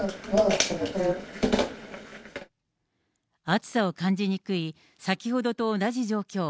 暑さを感じにくい、先ほどと同じ状況。